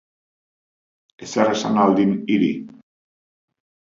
Ezer esan al din hiri?